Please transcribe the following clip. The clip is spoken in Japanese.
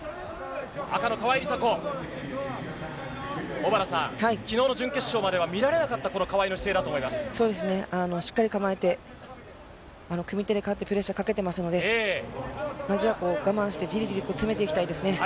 小原さん、昨日の準決勝までは見られなかったしっかり構えて組み手で勝ってプレッシャーをかけていますのでまずは我慢してじりじりと詰めていきたいですね。